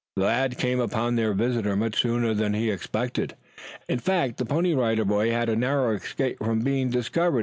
The lad came upon their visitor much sooner than he had expected. In fact, the Pony Rider Boy had a narrow escape from being discovered.